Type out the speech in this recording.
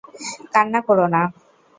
কান্না কোরো না।